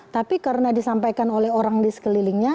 tapi karena disampaikan oleh orang di sekelilingnya